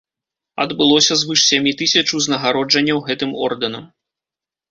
Адбылося звыш сямі тысяч узнагароджанняў гэтым ордэнам.